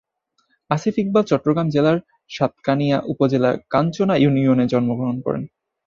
আসিফ ইকবাল চট্টগ্রাম জেলার সাতকানিয়া উপজেলার কাঞ্চনা ইউনিয়নে জন্মগ্রহণ করেন।